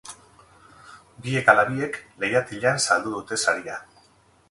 Biek hala biek lehiatilan saldu dute saria.